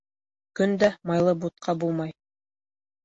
Көндә майлы бутҡа булмай.